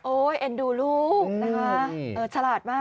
โอ้ยเอ็นดูลูกอะไรวะเออฉลาดมาก